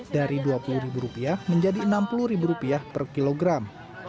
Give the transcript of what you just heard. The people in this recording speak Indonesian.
dari dua puluh ribu rupiah menjadi enam puluh ribu rupiah per kilogram